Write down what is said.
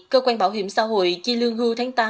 cơ quan bảo hiểm xã hội chi lương hưu tháng tám